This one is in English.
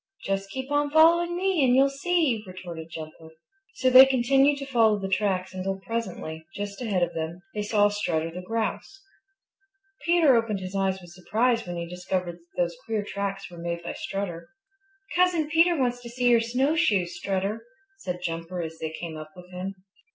"Just keep on following me and you'll see," retorted Jumper. So they continued to follow the tracks until presently, just ahead of them, they saw Strutter the Grouse. Peter opened his eyes with surprise when he discovered that those queer tracks were made by Strutter. "Cousin Peter wants to see your snowshoes, Strutter," said Jumper as they came up with him.